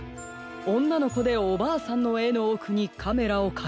「『おんなのこでおばあさん』のえのおくにカメラをかくした」と。